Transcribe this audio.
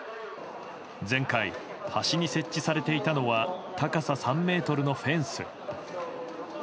前回、橋に設置されていたのは高さ３ｍのフェンス。